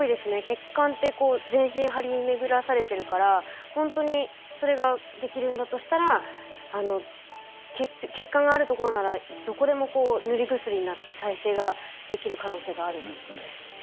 血管ってこう全身張り巡らされてるからほんとにそれができるんだとしたら血管があるところならどこでも塗り薬になって再生ができる可能性があるっていうことですよね。